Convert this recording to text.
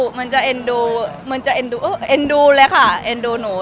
มันจะเอ็นดูเอ้อเอ็นดูเลยค่ะเอ็นดูหนู